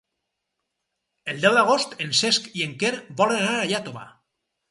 El deu d'agost en Cesc i en Quer volen anar a Iàtova.